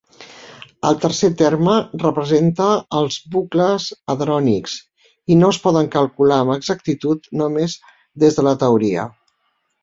El tercer terme representa els bucles hadrònics, i no es poden calcular amb exactitud només des de la teoria.